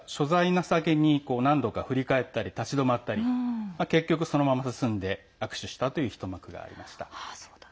なさげに、何度か振り返ったり立ち止まったり結局そのまま進んで握手したという一幕がありました。